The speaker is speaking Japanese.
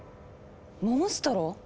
モンストロ？